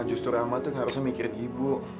justru rama tuh nggak usah mikirin ibu